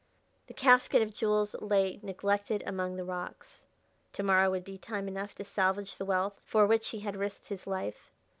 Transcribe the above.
The casket of jewels lay neglected among the rocks: to morrow would be time enough to salvage the wealth for which he had risked his life.